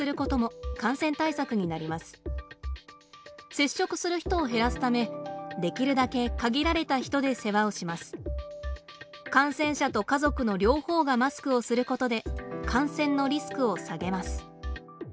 接触する人を減らすためできるだけ感染者と家族の両方がマスクをすることで感染のリスクを下げます。